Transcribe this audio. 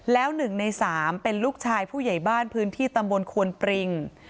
แล้ว๑ใน๓เป็นลูกชายผู้ใหญ่บ้านพื้นที่ตำบลควนปริง